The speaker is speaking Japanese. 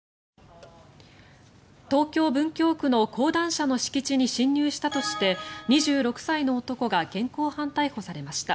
東京・文京区の講談社の敷地に侵入したとして２６歳の男が現行犯逮捕されました。